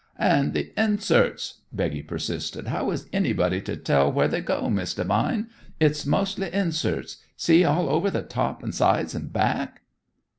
"And the inserts," Becky persisted. "How is anybody to tell where they go, Miss Devine? It's mostly inserts; see, all over the top and sides and back."